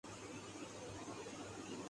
وہ میرے خوابوں کی شہزادی ہے۔